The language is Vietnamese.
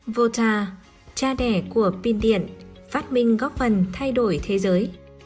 vôta cha đẻ của pin điện phát minh góp phần thay đổi thế giới